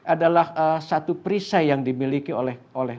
adalah satu perisai yang dimiliki oleh